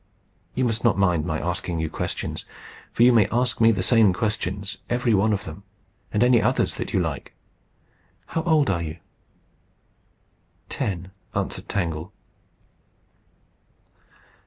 You must not mind my asking you questions, for you may ask me the same questions, every one of them, and any others that you like. How old are you?" "Ten," answered Tangle.